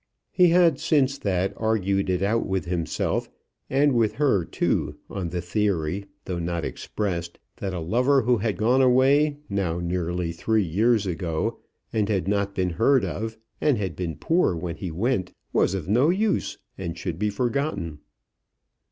He had, since that, argued it out with himself, and with her too, on the theory, though not expressed, that a lover who had gone away now nearly three years ago, and had not been heard of, and had been poor when he went, was of no use, and should be forgotten.